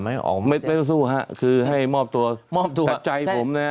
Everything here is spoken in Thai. ไม่ต้องสู้ค่ะคือให้มอบตัวแต่ใจผมเนี่ย